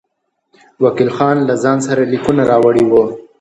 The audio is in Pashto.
وکیل له ځان سره لیکونه راوړي وه.